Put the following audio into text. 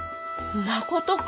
まことか？